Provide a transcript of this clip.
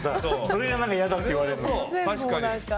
それが嫌だって言われるの。